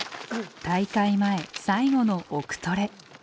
大会前最後の「奥トレ」。